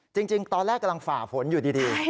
จริงตอนแรกกำลังฝ่าฝนอยู่ดี